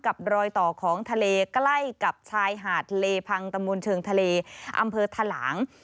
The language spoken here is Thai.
รอยต่อของทะเลใกล้กับชายหาดเลพังตะมนต์เชิงทะเลอำเภอทะหลาง